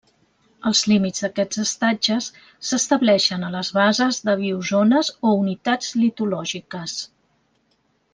Els límits d'aquests estatges s'estableixen a les bases de biozones o unitats litològiques.